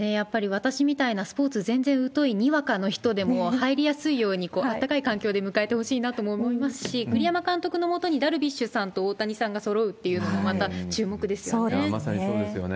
私みたいなスポーツに全然疎い、にわかの人でも入りやすいように、あったかい環境で迎えてほしいとも思いますし、栗山監督のもとにダルビッシュさんと大谷さんがそろうっていうのまさにそうですよね。